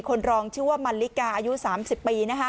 คนรองชื่อว่ามันลิกาอายุ๓๐ปี